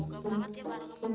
moga banget ya para gembuan